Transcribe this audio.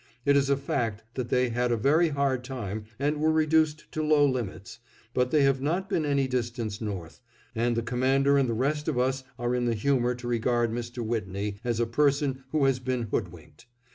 It is a fact that they had a very hard time and were reduced to low limits, but they have not been any distance north, and the Commander and the rest of us are in the humor to regard Mr. Whitney as a person who has been hoodwinked.